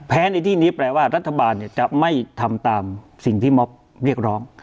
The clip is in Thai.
ในที่นี้แปลว่ารัฐบาลจะไม่ทำตามสิ่งที่มอบเรียกร้อง